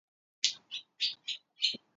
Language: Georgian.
მისი პირველი სართული დახშულია.